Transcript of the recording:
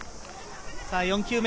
４球目。